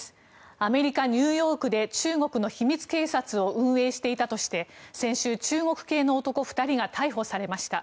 アメリカ・ニューヨークで中国の秘密警察を運営していたとして先週中国系の男２人が逮捕されました。